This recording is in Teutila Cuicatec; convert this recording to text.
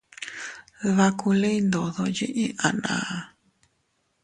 Dbakuliin ndodo yiʼi a naan.